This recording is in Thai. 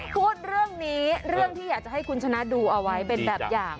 พูดเรื่องนี้เรื่องที่อยากจะให้คุณชนะดูเอาไว้เป็นแบบอย่าง